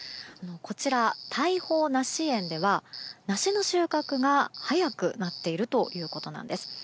こちら、大豊梨園では梨の収穫が早くなっているということなんです。